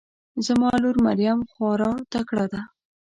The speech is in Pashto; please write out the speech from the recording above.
زما لور مريم خواره تکړه ده